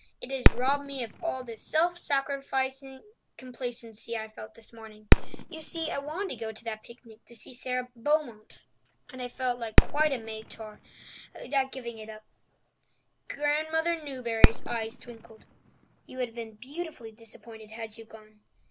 It has robbed me of all the self sacrificing complacency I felt this morning. You see, I wanted to go to that picnic to see Sara Beaumont, and I felt quite like a martyr at giving it up." Grandmother Newbury's eyes twinkled. "You would have been beautifully disappointed had you gone.